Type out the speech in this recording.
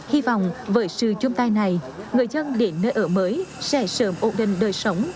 hy vọng với sự chung tay này người dân đến nơi ở mới sẽ sớm ổn định đời sống